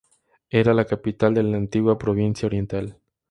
Era la capital de la antigua provincia Oriental.